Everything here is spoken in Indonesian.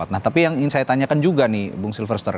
nah tapi yang ingin saya tanyakan juga nih bung silverstar